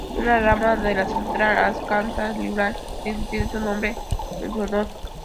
Una rama de la Central Arkansas Library System tiene su nombre en su honor.